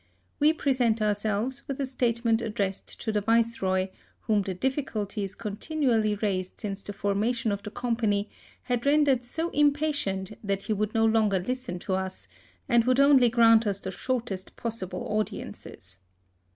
We present ourselves with a statement addressed to the Viceroy, whom the difficulties contin ually raised since the formation of the Com pany had rendered so impatient that he would no longer listen to us, and would only grant us the shortest possible audiences.